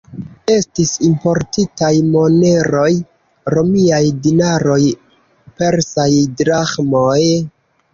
Estis importitaj moneroj: romiaj dinaroj, persaj draĥmoj...